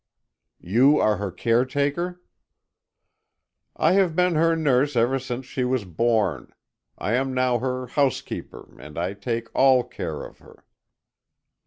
"You are her caretaker?" "I have been her nurse ever since she was born. I am now her housekeeper and I take all care of her."